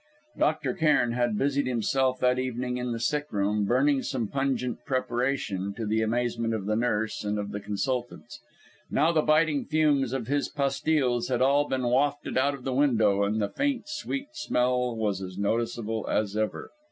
Dr. Cairn had busied himself that evening in the sick room, burning some pungent preparation, to the amazement of the nurse and of the consultants. Now the biting fumes of his pastilles had all been wafted out of the window and the faint sweet smell was as noticeable as ever.